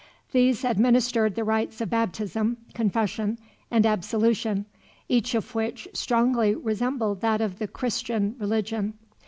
These administered the rites of baptism, confession, and absolution, each of which strongly resembled that of the Christian religion.